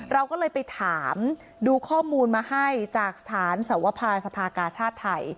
เราก็เลยไปถามดูข้อมูลมาให้จากสถานสวภาสภากาชาติไทย